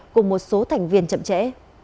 cùng một số thành viên chậm trễ